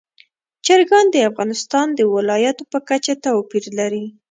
چرګان د افغانستان د ولایاتو په کچه توپیر لري.